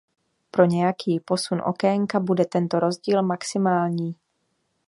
Pro nějaký posun okénka bude tento rozdíl maximální.